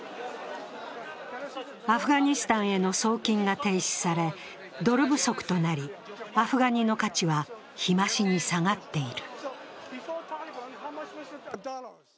アフガニスタンへの送金が停止されドル不足となりアフガニの価値は日増しに下がっている。